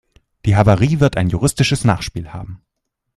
Die Havarie wird ein juristisches Nachspiel haben.